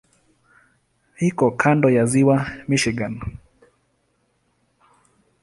Iko kando ya Ziwa Michigan.